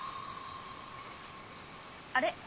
あれ？